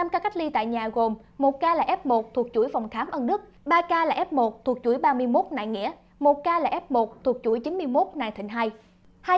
năm ca cách ly tại nhà gồm một ca là f một thuộc chuỗi phòng khám ân đức ba ca là f một thuộc chuỗi ba mươi một đại nghĩa một ca là f một thuộc chuỗi chín mươi một nài thịnh hai